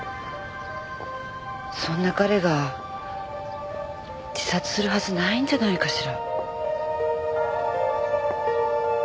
そんな彼が自殺するはずないんじゃないかしら。